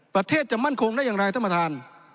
ประเทศจะมั่นคงได้อย่างไรท่านประธาน